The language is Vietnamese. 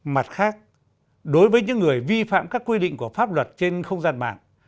mặt khác đối với những người vi phạm các quy định của pháp luật trên không gian mạng